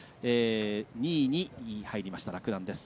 ２位に入りました、洛南です。